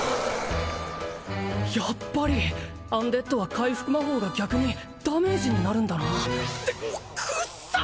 やっぱりアンデッドは回復魔法が逆にダメージになるんだなってクッサ！